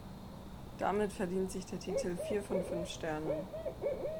Damit verdient sich der Titel vier von fünf Sternen.